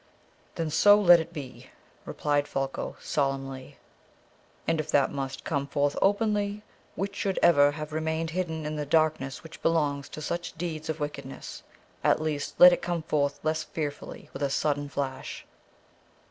"Then so let it be," replied Folko solemnly; "and if that must come forth openly which should ever have remained hidden in the darkness which belongs to such deeds of wickedness, at least let it come forth less fearfully with a sudden flash.